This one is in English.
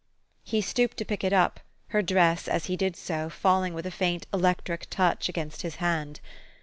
He stooped to pick it up, her dress, as he did so, falling with a faint electric touch against his hand.